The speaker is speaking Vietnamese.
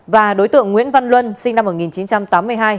và đối tượng nguyễn văn luân sinh năm một nghìn chín trăm tám mươi hai